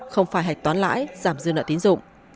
không phải hạch toán lãi giảm dư nợ tín dụng